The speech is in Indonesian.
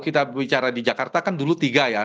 kita bicara di jakarta kan dulu tiga ya